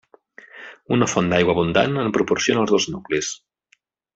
Una font d'aigua abundant en proporciona als dos nuclis.